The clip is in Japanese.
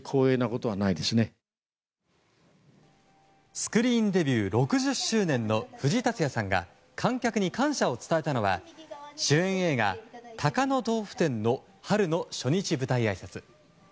スクリーンデビュー６０周年の藤竜也さんが観客に感謝を伝えたのは主演映画「高野豆腐店の春」の初日舞台あいさつ。